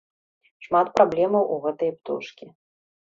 Шмат праблемаў у гэтай птушкі.